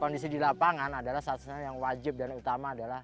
kondisi di lapangan adalah satu soal yang wajib dan utama adalah yaitu proses reklamasi